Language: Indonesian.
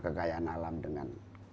kekayaan alam dengan